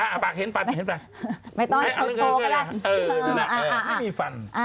อ้าวปากเห็นฟันไม่ต้องเอาอันนั้นก็ได้ไม่มีฟัน